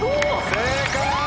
正解！